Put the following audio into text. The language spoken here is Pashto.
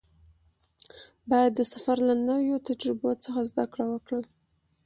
باید د سفر له نویو تجربو څخه زده کړه وکړم.